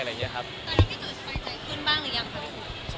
ตอนนั้นที่จุยสบายใจขึ้นบ้างหรือยังครับ